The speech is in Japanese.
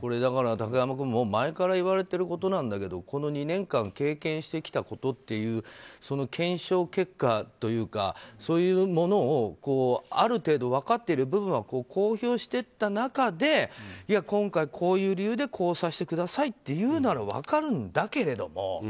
竹山君前から言われていることだけどこの２年間経験してきたことという、その検証結果というかそういうものを、ある程度分かっている部分は公表していった中で今回、こういう理由でこうさせてくださいと言うなら分かるんだけれども。